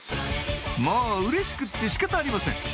もううれしくって仕方ありません